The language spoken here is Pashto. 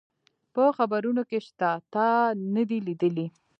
په خبرونو کي شته، تا نه دي لیدلي؟